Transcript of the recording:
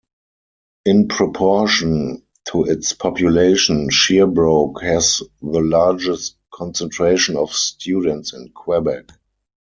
In proportion to its population, Sherbrooke has the largest concentration of students in Quebec.